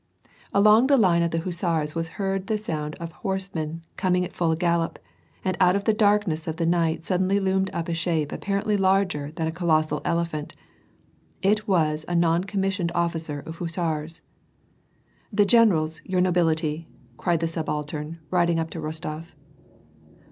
• Along the line of the hussars w^ heard the sound of a horse man, coming at full gallop, and out of the darkness of the night suddenly loomed up a shape apparently larger than a colossal elephant : it was a non commissioned officer of liussars. " The generals, your nobility !'^ cried the subaltern, riding up to Rostof.